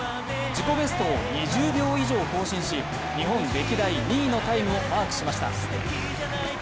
自己ベストを２０秒以上更新し、日本歴代２位のタイムをマークしました。